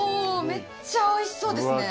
めっちゃおいしそうですね。